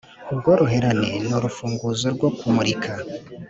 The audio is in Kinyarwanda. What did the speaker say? ubworoherane nurufunguzo rwo kumurika.